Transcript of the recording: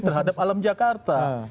terhadap alam jakarta